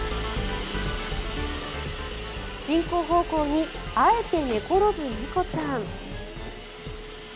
進行方向にあえて寝転ぶ猫ちゃん。